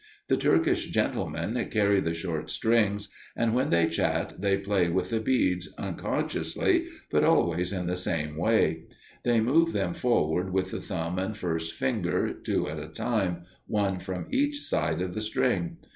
The Turkish gentlemen carry the short strings, and, when they chat, they play with the beads, unconsciously, but always in the same way. They move them forward with the thumb and first finger, two at a time, one from each side of the string.